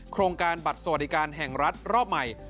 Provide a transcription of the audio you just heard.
โครงการบัตรสวัสดิการแห่งรัฐรอบใหม่